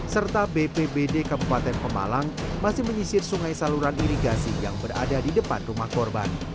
serta bpbd kabupaten pemalang masih menyisir sungai saluran irigasi yang berada di depan rumah korban